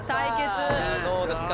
さあどうですか？